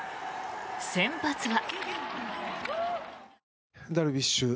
先発は。